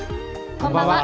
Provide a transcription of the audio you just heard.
こんばんは。